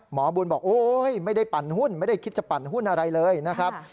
หมอบุญบอกโอ๊ยไม่ได้ปั่นหุ้นไม่ได้คิดจะปั่นหุ้นอะไรเลยนะครับ